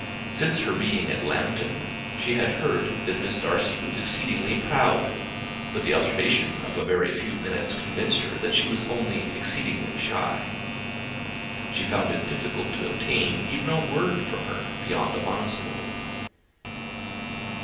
Since her being at Lambton, she had heard that Miss Darcy was exceedingly proud; but the observation of a very few minutes convinced her that she was only exceedingly shy. She found it difficult to obtain even a word from her beyond a monosyllable.